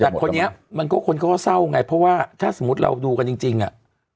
แต่คนนี้มันก็คนเขาก็เศร้าไงเพราะว่าถ้าสมมุติเราดูกันจริงอ่ะ